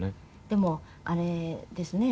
でもあれですね。